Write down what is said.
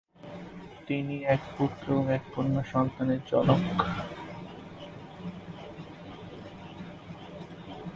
তিনি এক পুত্র এবং এক কন্যা সন্তানের জনক।